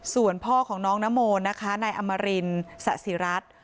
ส่วนพ่อของน้องนโมนะคะนายอมรินสะสิรัฐ